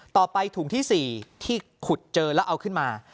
ถุงที่๔ที่ขุดเจอแล้วเอาขึ้นมา